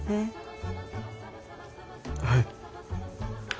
はい。